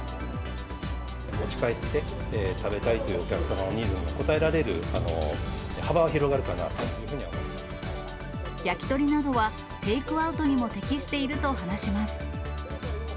おうち帰って食べたいというお客様のニーズに応えられる幅が焼き鳥などはテイクアウトにも適していると話します。